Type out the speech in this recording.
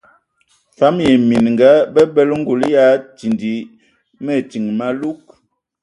Fam ai minga bəbələ ngul ya tindi mətin malug.